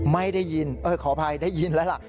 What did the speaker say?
ไม่ได้ยินขออภัยได้ยินแล้วล่ะ